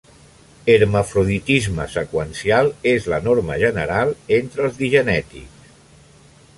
Hermafroditisme seqüencial és la norma general entre els digenètics.